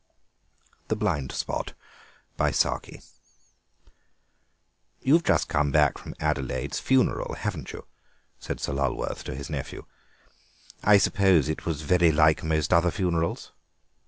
THE BLIND SPOT "You've just come back from Adelaide's funeral, haven't you?" said Sir Lulworth to his nephew; "I suppose it was very like most other funerals?"